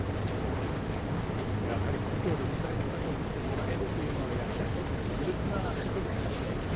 うんやはり故郷で舞台姿を見てもらえるというのは役者にとって特別なことですからね。